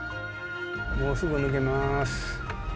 もうすぐ抜けまーす。